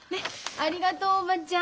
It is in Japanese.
ありがとう叔母ちゃん。